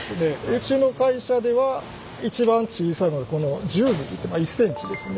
うちの会社では一番小さいものはこの１０ｍｍ１ｃｍですね。